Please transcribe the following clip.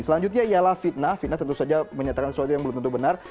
selanjutnya ialah fitnah fitnah tentu saja menyatakan sesuatu yang belum tentu benar